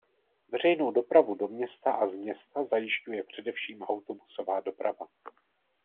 Veřejnou dopravu do města a z města zajišťuje především autobusová doprava.